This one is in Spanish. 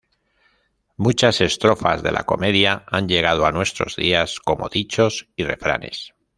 Muchas estrofas de la comedia han llegado a nuestros días como dichos y refranes.